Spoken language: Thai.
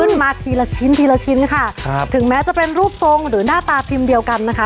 มาทีละชิ้นทีละชิ้นค่ะครับถึงแม้จะเป็นรูปทรงหรือหน้าตาพิมพ์เดียวกันนะคะ